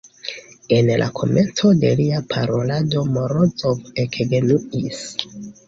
En la komenco de lia parolado Morozov ekgenuis.